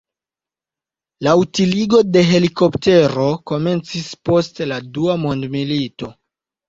La utiligo de helikoptero komencis post la dua mondmilito.